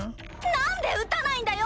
なんで撃たないんだよ！